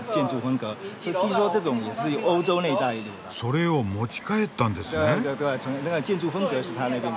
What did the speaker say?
それを持ち帰ったんですね？